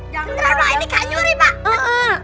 beneran pak ini kanjuri pak